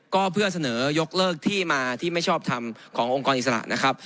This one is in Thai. ก็เพื่อเสนอยกเลิกที่มาที่ไม่ชอบทำขององค์กรอิสระนะครับ